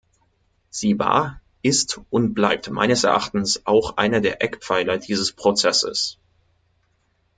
Sie war, ist und bleibt meines Erachtens auch einer der Eckpfeiler dieses Prozesses.